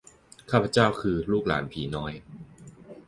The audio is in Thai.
ข้าพเจ้าคือ ลูกหลานผีน้อย